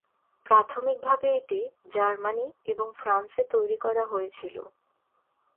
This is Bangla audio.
প্রাথমিকভাবে এটি জার্মানি এবং ফ্রান্সে তৈরি করা হয়েছিল।